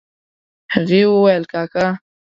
هغې وويل کاکا.